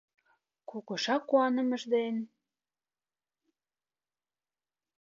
Кугыжа куанымыж ден